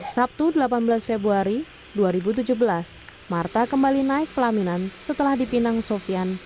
sabtu delapan belas februari dua ribu tujuh belas marta kembali naik pelaminan setelah dipinang sofian